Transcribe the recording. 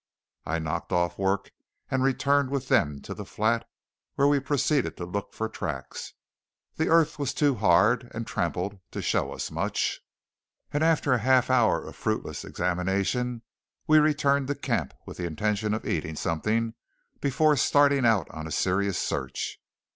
I knocked off work, and returned with them to the flat, where we proceeded to look for tracks. The earth was too hard and tramped to show us much, and after a half hour of fruitless examination we returned to camp with the intention of eating something before starting out on a serious search.